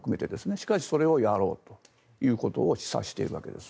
しかしそれをやろうということを示唆しているわけです。